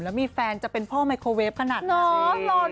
แล้วมีแฟนจะเป็นพ่อไมโครเวฟขนาดไหน